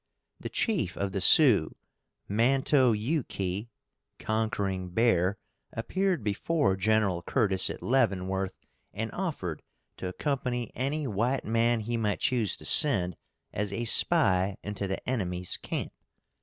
The chief of the Sioux, Man to yu kee, (Conquering Bear,) appeared before Gen. Curtis at Leavenworth and offered to accompany any white man he might choose to send, as a spy into the enemy's camp.